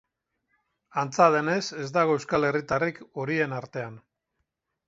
Antza denez, ez dago euskal herritarrik horien artean.